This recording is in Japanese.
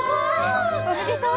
おめでとう！